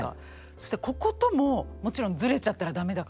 そしてこことももちろんズレちゃったら駄目だから。